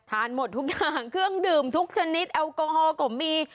น่ะทานหมดทุกอย่างเครื่องดื่มทุกชนิดแอลโกฮอลก่อนมี